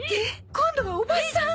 今度はおばさん！？